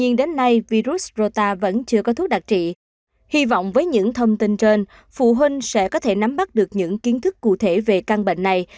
hy vọng với những thông tin trên phụ huynh sẽ có thể nắm bắt được những kiến thức cụ thể về căn bệnh này